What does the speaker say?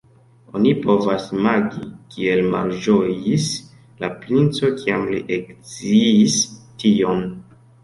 Oni povas imagi, kiel malĝojis la princo, kiam li eksciis tion.